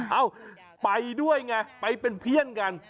เอ้าไปด้วยไงไปเป็นเพื่อนกัน